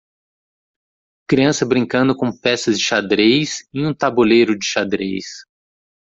Criança brincando com peças de xadrez em um tabuleiro de xadrez.